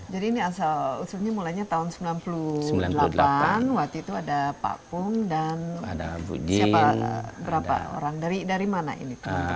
jadi ini asal maksudnya mulainya tahun seribu sembilan ratus sembilan puluh delapan waktu itu ada pak pung dan siapa berapa orang dari mana ini teman teman ya